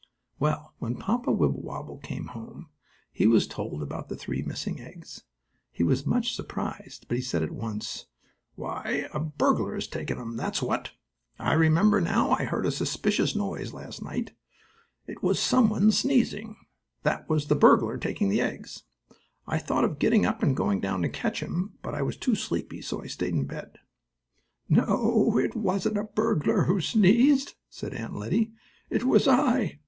Well, when Papa Wibblewobble came home, he was told about the three missing eggs. He was much surprised, but he said at once: "Why, a burglar has taken them; that's what! I remember now I heard a suspicious noise last night. It was some one sneezing. That was the burglar taking the eggs. I thought of getting up and going down to catch him, but I was too sleepy, so I stayed in bed." "No, it wasn't a burglar who sneezed," said Aunt Lettie. "It was I.